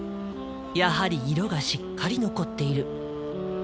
やはり色がしっかり残っている。